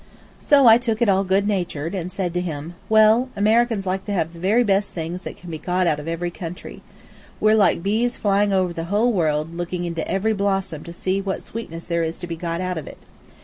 So I took it all good natured, and said to him, "Well, Americans like to have the very best things that can be got out of every country. We're like bees flying over the whole world, looking into every blossom to see what sweetness there is to be got out of it.